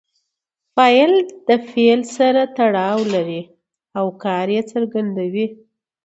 فاعل د فعل سره تړاو لري او کار ئې څرګندوي.